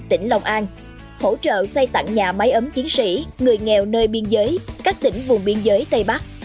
tỉnh long an hỗ trợ xây tặng nhà máy ấm chiến sĩ người nghèo nơi biên giới các tỉnh vùng biên giới tây bắc